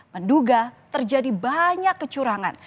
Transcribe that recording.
menduga terjadi banyak kecurangan